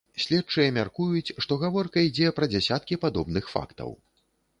Следчыя мяркуюць, што гаворка ідзе пра дзясяткі падобных фактаў.